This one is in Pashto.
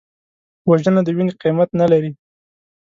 وژنه د وینې قیمت نه لري